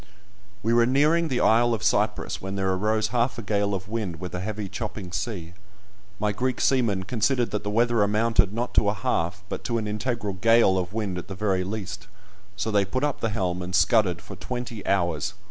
We were nearing the isle of Cyprus when there arose half a gale of wind, with a heavy chopping sea. My Greek seamen considered that the weather amounted not to a half, but to an integral gale of wind at the very least, so they put up the helm, and scudded for twenty hours.